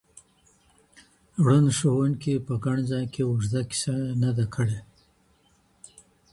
ړوند ښوونکي په ګڼ ځای کي اوږده کیسه نه ده کړې.